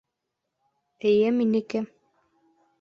Эйе, минеке.